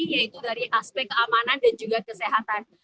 yaitu dari aspek keamanan dan juga kesehatan